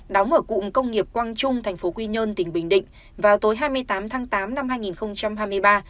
đóng ở cụm công nghiệp quang trung tp quy nhơn tỉnh bình định vào tối hai mươi tám tháng tám năm hai nghìn hai mươi ba